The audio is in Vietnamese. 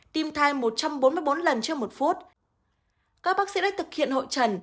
tim thai một trăm bốn mươi bốn lần trước một phút các bác sĩ đã thực hiện hội trần